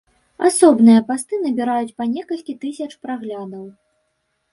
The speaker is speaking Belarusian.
Асобныя пасты набіраюць па некалькі тысяч праглядаў.